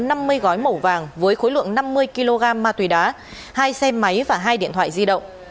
các đối tượng đã thu giữ hai mươi gói màu vàng với khối lượng năm mươi kg ma túy đá hai xe máy và hai điện thoại di động